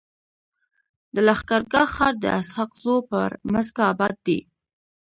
د لښکر ګاه ښار د اسحق زو پر مځکه اباد دی.